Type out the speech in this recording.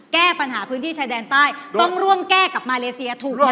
แก้ปัญหาพื้นที่ชายแดนใต้ต้องร่วมแก้กับมาเลเซียถูกลง